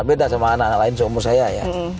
beda sama anak anak lain seumur saya ya